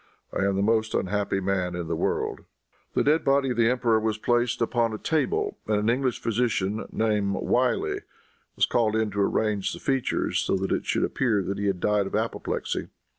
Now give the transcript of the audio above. I am the most unhappy man in the world." The dead body of the emperor was placed upon a table, and an English physician, named Wylie, was called in to arrange the features so that it should appear that he had died of apoplexy.